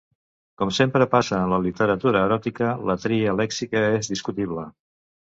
Com sempre passa en la literatura eròtica, la tria lèxica és discutible.